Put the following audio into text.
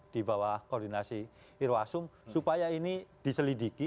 di bawah koordinasi irwasum supaya ini diselidiki